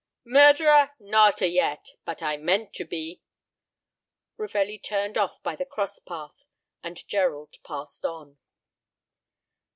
"Murderer? Not a yet. But I meant to be." Ravelli turned off by the cross path, and Gerald passed on.